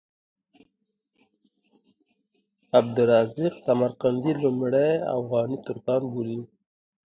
عبدالرزاق سمرقندي لومړی اوغاني ترکان بولي.